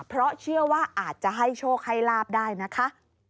เพราะเชื่อว่าอาจจะให้โชคให้ลาบได้นะคะ